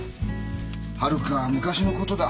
はるか昔のことだ。